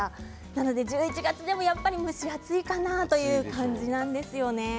なので１１月でもやっぱり蒸し暑いかなという感じなんですよね。